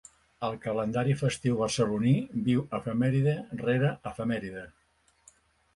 El calendari festiu barceloní viu efemèride rere efemèride.